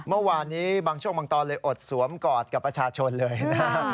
เมื่อวานนี้บางช่วงบางตอนเลยอดสวมกอดกับประชาชนเลยนะฮะ